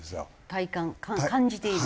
体感？感じている？